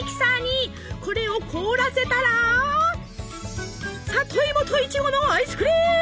これを凍らせたら「里芋とイチゴのアイスクリーム」！